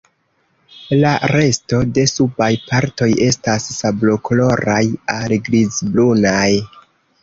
La resto de subaj partoj estas sablokoloraj al grizbrunaj.